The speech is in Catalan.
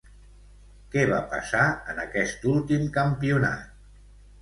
Què va passar en aquest últim campionat?